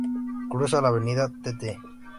Cruza la Avenida Tte.